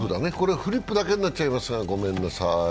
フリップだけになっちゃいますが、ごめんなさい。